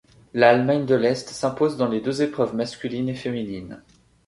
L'Allemagne de l'Est s'impose dans les deux épreuves masculine et féminine.